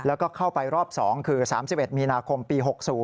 แล้วก็เข้าไปรอบ๒คือ๓๑มีนาคมปี๖๐